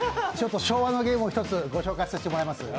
昭和のゲームを一つご紹介させていただきます。